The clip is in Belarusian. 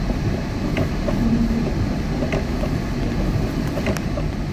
І мы будзем працягваць гэта рабіць.